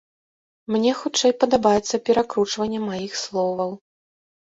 Мне хутчэй падабаецца перакручванне маіх словаў.